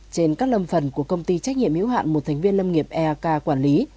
trên các lâm phần của công ty trách nhiệm hiếu hạn một thành viên lâm nghiệp eak quản lý